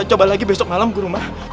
coba lagi besok malam guruma